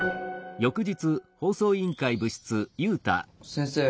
先生